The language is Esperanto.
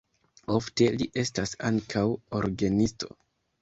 Ofte li estas ankaŭ orgenisto.